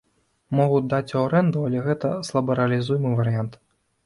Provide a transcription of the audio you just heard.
Могуць даць у арэнду, але гэта слабарэалізуемы варыянт.